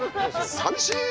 さみしい。